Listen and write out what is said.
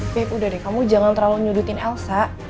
baik udah deh kamu jangan terlalu nyudutin elsa